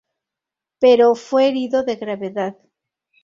Pero fue herido de gravedad.